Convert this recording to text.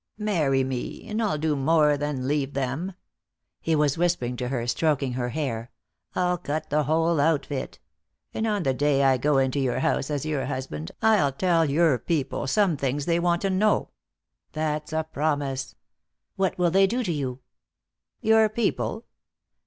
Marry me, and I'll do more than leave them." He was whispering to her, stroking her hair. "I'll cut the whole outfit. And on the day I go into your house as your husband I'll tell your people some things they want to know. That's a promise." "What will they do to you?" "Your people?"